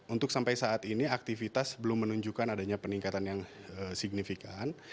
untuk sampai saat ini aktivitas belum menunjukkan adanya peningkatan yang signifikan